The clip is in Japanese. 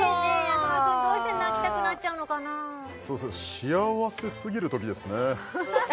幸せすぎるときですね